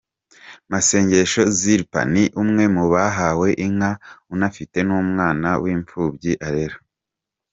Masengesho Ziripa ni umwe mu bahawe inka unafite n’umwana w’imfubyi arera.